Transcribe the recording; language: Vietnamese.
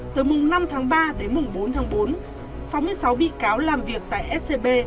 từ mùng năm tháng ba đến mùng bốn tháng bốn sáu mươi sáu bị cáo làm việc tại scb